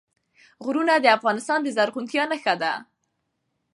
غرونه د افغانستان د زرغونتیا نښه ده.